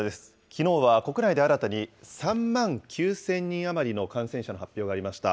きのうは国内で新たに３万９０００人余りの感染者の発表がありました。